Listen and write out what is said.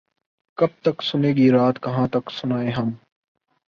کب تک سنے گی رات کہاں تک سنائیں ہم